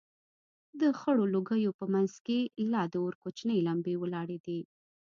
د خړو لوگيو په منځ کښې لا د اور کوچنۍ لمبې ولاړېدې.